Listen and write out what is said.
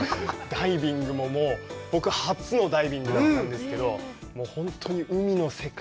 ダイビング、僕、初のダイビングだったんですけど、本当に海の世界。